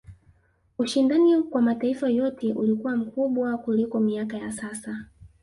ushindani kwa mataifa yote ulikuwa mkubwa kuliko miaka ya sasa